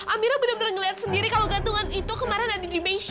amira benar benar melihat sendiri kalau gandungan itu kemarin ada di meja